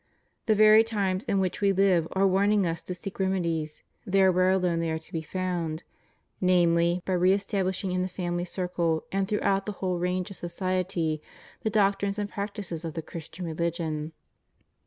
The very times in which we live are warning us to seek remedies there where alone they are to be found — namely, by re establishing in the family circle and throughout the whole range of society the doctrines and practices of the Christian religion.